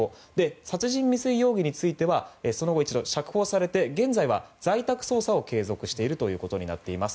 殺人未遂容疑についてはその後、一度釈放されて現在は在宅捜査を継続しているということになっています。